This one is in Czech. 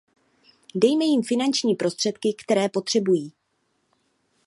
Dejme jim finanční prostředky, které potřebují.